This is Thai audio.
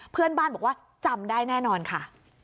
เพื่อนบ้านบอกว่าจำได้แน่นอนค่ะ